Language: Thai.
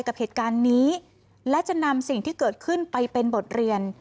กับเหตุการณ์นี้และจะนำสิ่งที่เกิดขึ้นไปเป็นบทเรียน